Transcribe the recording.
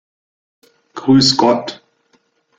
Grüß Gott!